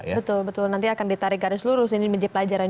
betul betul nanti akan ditarik dari seluruh sini menjadi pelajaran